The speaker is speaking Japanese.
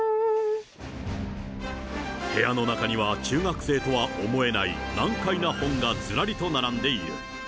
部屋の中には中学生とは思えない難解な本がずらりと並んでいる。